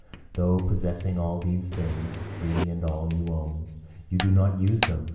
Though possessing all these things free and all you own, you do not use them!